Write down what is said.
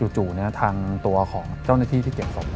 ทางตัวของเจ้าหน้าที่ที่เก็บศพ